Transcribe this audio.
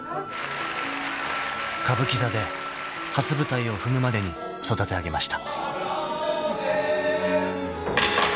［歌舞伎座で初舞台を踏むまでに育て上げました］